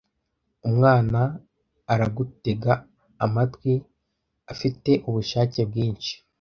umwana aragutega amatwi afite ubushake bwinshi